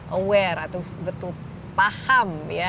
aware atau betul paham